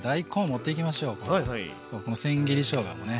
このせん切りしょうがもね